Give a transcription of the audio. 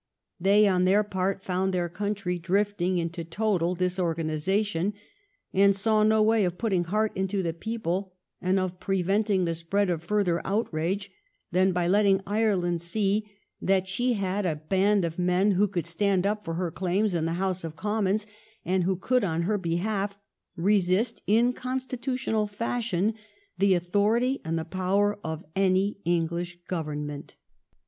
They, on their part, found their country drifting into total disorganization, and saw no way of putting heart into the people and of preventing the spread of further outrage than by letting Ireland see that she had a band of men who could stand up for her claims in the House of Commons and who could, on her behalf, resist in constitutional fashion the authority and the power of any English government.